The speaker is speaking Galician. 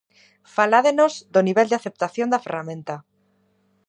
Faládenos do nivel de aceptación da ferramenta.